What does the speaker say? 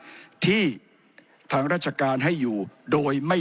ผมจะขออนุญาตให้ท่านอาจารย์วิทยุซึ่งรู้เรื่องกฎหมายดีเป็นผู้ชี้แจงนะครับ